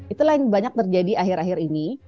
itulah yang banyak terjadi akhir akhir ini